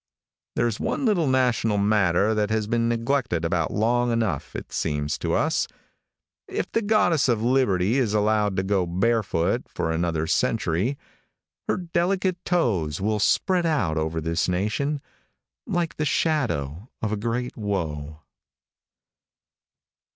|THERE'S one little national matter that has been neglected about long enough, it seems to us. If the goddess of liberty is allowed to go barefoot for another century, her delicate toes will spread out over this nation like the shadow of a great woe.